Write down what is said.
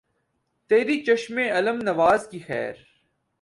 تیری چشم الم نواز کی خیر